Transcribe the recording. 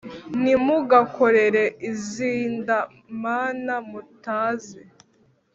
ntimugakorere izinda mana mutazi